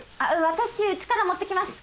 私うちから持ってきます！